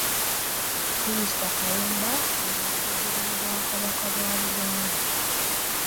Minisita Kiyimba, ye mwogezi w'obwakabaka bwa Buganda.